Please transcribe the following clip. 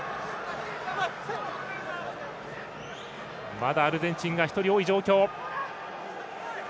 まだアルゼンチンが１人多い状況。